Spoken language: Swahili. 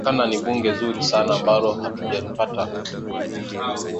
ge linawezakawa ni bunge nzuri sana ambalo hatujapata kwa